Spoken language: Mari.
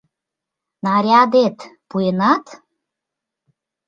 Нарядет пуэнат?